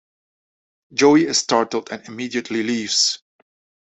Joey is startled and immediately leaves.